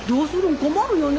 困るよね。